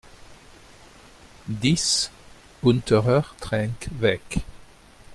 dix unterer Traenk Weg